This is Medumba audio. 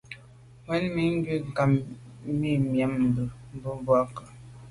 Wut mèn ghù nkam mi yàme tu, wut, mbu boa nku.